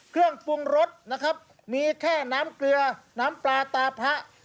เครื่องปรุงรสนะครับมีแค่น้ำเกลือน้ำปลาตาพระ